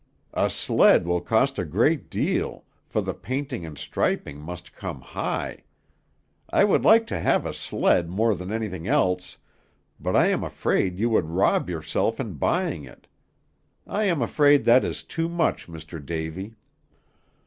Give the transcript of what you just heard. "A sled will cost a great deal, for the painting and striping must come high. I would like to have a sled more than anything else, but I am afraid you would rob yourself in buying it. I am afraid that is too much, Mr. Davy."